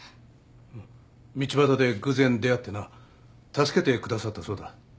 うん道端で偶然出会ってな助けてくださったそうだ。